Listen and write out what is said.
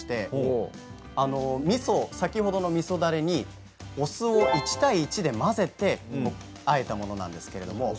先ほどの、みそだれにお酢を１対１の割合で混ぜてあえたものなんです。